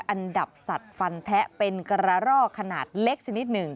อันดับสัตว์ฟันแทะเป็นกระรอกขนาดเล็กชนิดหนึ่ง